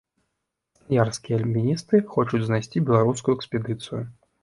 Краснаярскія альпіністы хочуць знайсці беларускую экспедыцыю.